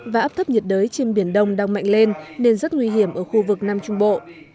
và áp thấp nhiệt đới trên biển đông đang mạnh lên nên rất nguy hiểm ở khu vực nam trung bộ